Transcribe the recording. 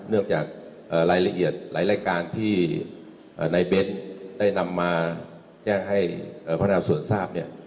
เนื่องจากรายละเอียดรายรายการที่ในเบนท์ได้นำมาแจ้งให้พนักฐานสวนทราบ